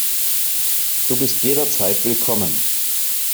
Du bist jederzeit willkommen.